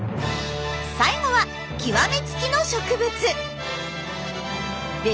最後は極め付きの植物。